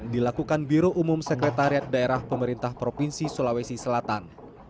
dilakukan biro umum sekretariat daerah pemerintah provinsi sulawesi selatan